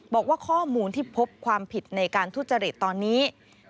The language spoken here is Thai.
บอกว่าข้อมูลที่พบความผิดในการทุจริตตอนนี้